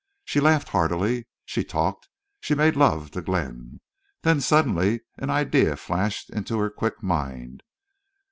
She laughed heartily, she talked, she made love to Glenn. Then suddenly an idea flashed into her quick mind.